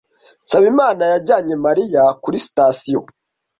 Nsabimana yajyanye Mariya kuri sitasiyo.